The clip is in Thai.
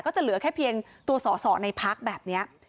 จะเหลือแค่เพียงตัวสอสอในพักแบบนี้